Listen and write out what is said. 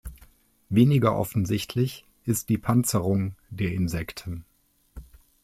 Weniger offensichtlich ist die Panzerung der Insekten.